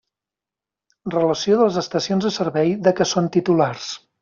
Relació de les estacions de servei de què són titulars.